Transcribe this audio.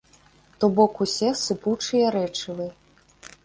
То бок усе сыпучыя рэчывы.